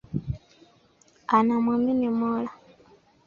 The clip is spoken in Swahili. Anamwamini Mola